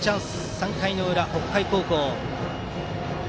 ３回の裏、北海高校。